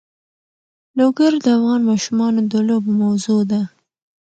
لوگر د افغان ماشومانو د لوبو موضوع ده.